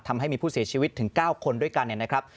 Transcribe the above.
ทำให้มีผู้เสียชีวิตถึง๙คนด้วยกันเนี่ยนะครับ